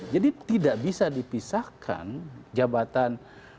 jadi tidak bisa dipisahkan jabatan